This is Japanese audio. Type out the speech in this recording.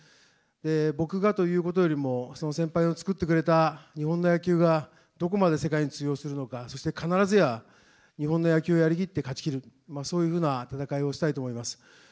僕がということよりも、その先輩が作ってくれた日本の野球が、どこまで世界に通用するのか、そして必ずや、日本の野球をやりきって勝ちきる、そういうふうな戦いをしたいと思います。